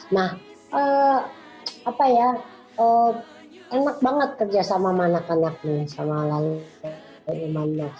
nah apa ya enak banget kerja sama anak anak nih sama loli ilmanino